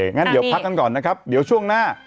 งั้นเดี๋ยวพักกันก่อนนะครับเดี๋ยวช่วงหน้า